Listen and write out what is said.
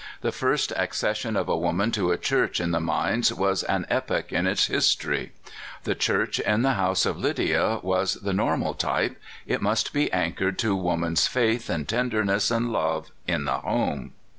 The first accession of a woman to a church in the mines was an epoch in its history. The church in the house of Lydia was the normal type it must be anchored 94 CALIFORNIA SKETCHES. to woman's faith, and tenderness, and love, in the home.